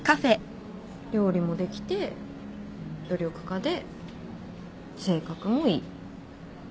料理もできて努力家で性格もいい。